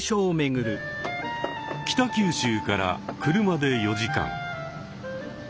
北九州から車で４時間。